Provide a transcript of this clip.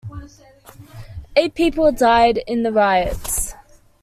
Eight people died in the riots.